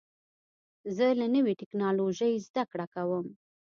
زه له نوې ټکنالوژۍ زده کړه کوم.